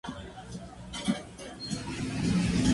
Sir Adrian Boult condujo, y Clifford Curzon fue el solista.